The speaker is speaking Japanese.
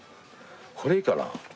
これいいかな。